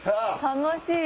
楽しい！